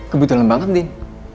kebetulan banget din